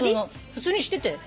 普通にしてて。